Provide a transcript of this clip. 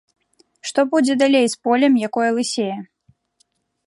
Што будзе далей з полем, якое лысее?